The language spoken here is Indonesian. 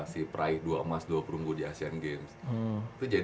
si peraih dua emas dua puluh runggu di asia tenggara